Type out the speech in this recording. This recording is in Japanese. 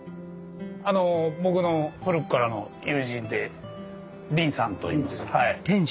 あの僕の古くからの友人で林さんといいます。